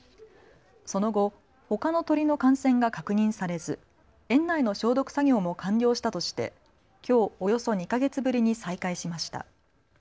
その後、ほかの鳥の感染が確認されず園内の消毒作業も完了したとしてきょうおよそ２か月ぶりに再開しました。